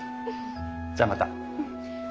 じゃあまた。